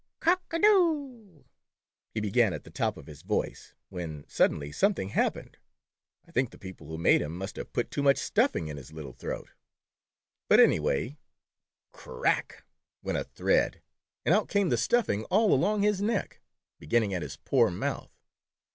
" Cock — a — doooo —"' he began at the top of his voice, when sud denly something hap pened. I think the people who made him must have put too much stuffing in his little throat, but 174 My Flannel Rooster. anyway " crrrrrrrack " went a thread and out came the stuffing all along his neck, beginning at his poor mouth